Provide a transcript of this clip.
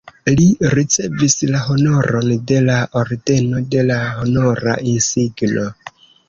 Li ricevis la honoron de la Ordeno de la Honora Insigno.